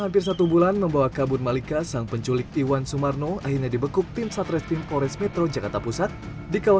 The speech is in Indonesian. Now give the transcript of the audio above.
pertemuan orang tua tidak berhenti